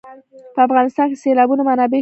په افغانستان کې د سیلابونه منابع شته.